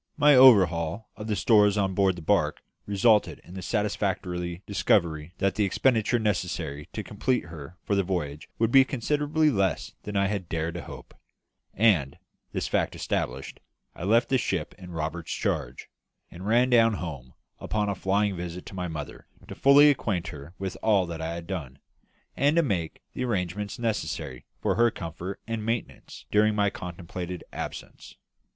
My overhaul of the stores on board the barque resulted in the satisfactory discovery that the expenditure necessary to complete her for the voyage would be considerably less than I had dared to hope; and, this fact established, I left the ship in Roberts's charge, and ran down home upon a flying visit to my mother, to fully acquaint her with all that I had done, and to make the arrangements necessary for her comfort and maintenance during my contemplated absence.